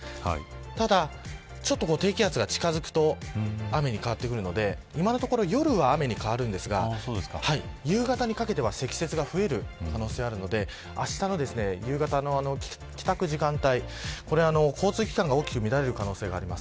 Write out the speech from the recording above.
ただ、低気圧が近づくと雨に変わってくるので今のところ夜は雨に変わるんですが夕方にかけては積雪が増える可能性があるのであしたの夕方の帰宅時間帯交通機関が大きく乱れる可能性があります。